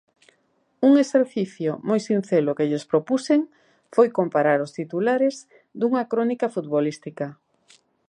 Un exercicio moi sinxelo que lles propuxen foi comparar os titulares dunha crónica futbolística.